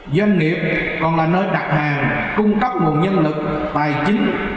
doanh nghiệp còn là nơi đặt hàng cung cấp nguồn nhân lực tài chính